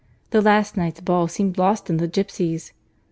The last night's ball seemed lost in the gipsies.